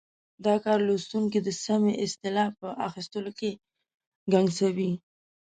دا کار لوستونکی د سمې اصطلاح په اخیستلو کې ګنګسوي.